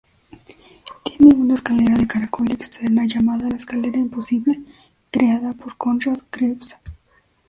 Tiene una escalera de caracol externa llamada la "escalera imposible" creada por Konrad Krebs.